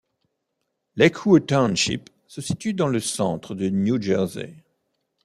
Lakewood Township se situe dans le centre du New Jersey.